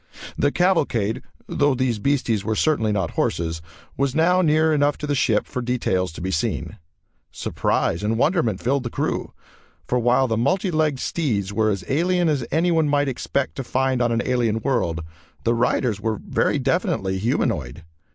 The cavalcade though these beasties were certainly not horses was now near enough to the ship for details to be seen. Surprise and wonderment filled the crew, for while the multi legged steeds were as alien as anyone might expect to find on an alien world, the riders were very definitely humanoid.